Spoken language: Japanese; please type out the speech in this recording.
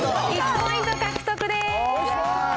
１ポイント獲得です。